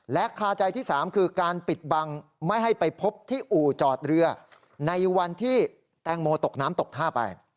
และคาใจที่๓คือการปิดบังไม่ให้ไปพบที่อู่จอดเรือในวันที่แตงโมตกน้ำตกท่าไป